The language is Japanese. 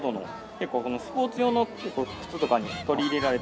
結構スポーツ用の靴とかに取り入れられて。